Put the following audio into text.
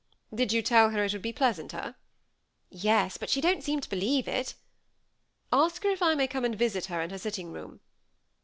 " Did you tell her it would be pleasanter ?"" Yes ; but she don't seem to believe it." " Ask her if I may come and visit her in her sitting room."